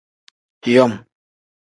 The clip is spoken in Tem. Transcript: Yom.